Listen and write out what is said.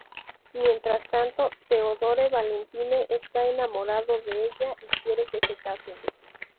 Mientras tanto, Theodore Valentine está enamorado de ella y quiere que se casen.